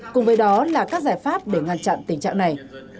cùng với đó là các giải pháp để ngăn chặn tình trạng này